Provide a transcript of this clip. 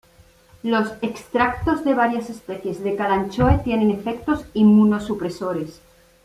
Los extractos de varias especies de "Kalanchoe" tienen efectos inmunosupresores.